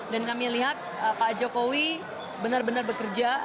dan kami lihat pak jokowi benar benar bekerja